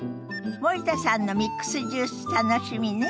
森田さんのミックスジュース楽しみね。